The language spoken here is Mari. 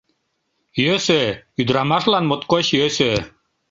Йӧсӧ, ӱдырамашлан моткоч йӧсӧ...